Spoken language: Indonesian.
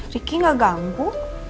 riki gak ganggu